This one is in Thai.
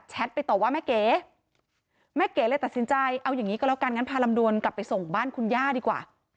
ไปต่อว่าแม่เก๋แม่เก๋เลยตัดสินใจเอาอย่างนี้ก็แล้วกันงั้นพาลำดวนกลับไปส่งบ้านคุณย่าดีกว่า